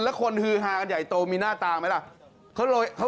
แล้วคนฮือฮากันใหญ่โตมีหน้าตาไหมล่ะ